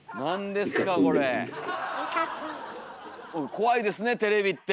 怖いですねテレビって！